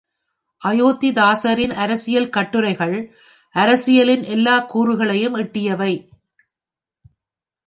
அயோத்திதாசரின் அரசியல் கட்டுரைகள் அரசியலின் எல்லாக் கூறுகளையும் எட்டியவை.